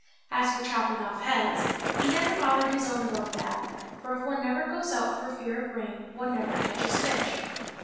As for chopping off heads, he never bothered his own about that ; for, if one never goes out for fear of rain one never catches fish.